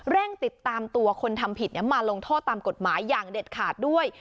เร่งติดตามตัวคนทำผิดมาลงโทษตามกฎหมายอย่างเด็ดขาดด้วย